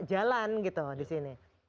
jalan gitu disini